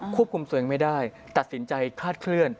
ควบคุมตัวเองไม่ได้ตัดสินใจคลาดเคลื่อน